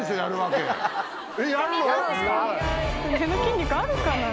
腕の筋肉あるかな？